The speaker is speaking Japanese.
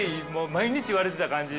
毎日言われてた感じ。